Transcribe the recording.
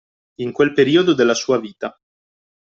In quel periodo della sua vita